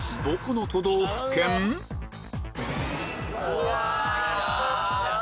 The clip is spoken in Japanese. うわ。